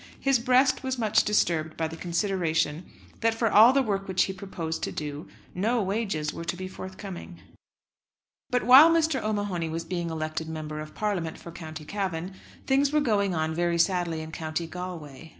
His breast was much disturbed by the consideration that for all the work which he proposed to do no wages were to be forthcoming. But while Mr. O'Mahony was being elected Member of Parliament for County Cavan, things were going on very sadly in County Galway.